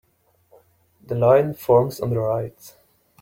The line forms on the right.